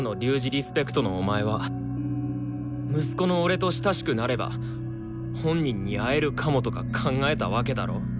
リスペクトのお前は息子の俺と親しくなれば本人に会えるかもとか考えたわけだろ？